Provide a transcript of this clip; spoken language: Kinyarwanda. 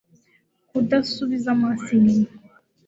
kudasubiza amaso inyuma